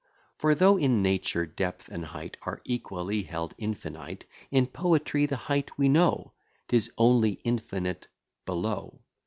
For though, in nature, depth and height Are equally held infinite: In poetry, the height we know; 'Tis only infinite below.